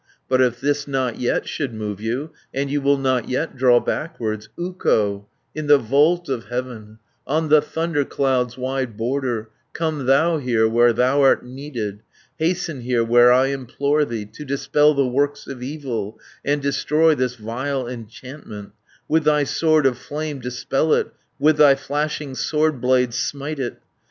"But if this not yet should move you, And you will not yet draw backwards, 300 Ukko, in the vault of heaven, On the thundercloud's wide border, Come thou here, where thou art needed, Hasten here, where I implore thee, To dispel the works of evil, And destroy this vile enchantment, With thy sword of flame dispel it, With thy flashing sword blade smite it.